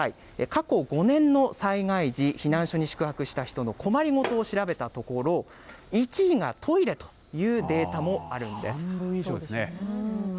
過去５年の災害時、避難所に宿泊した人の困り事を調べたところ、１位がトイレという半分以上ですね。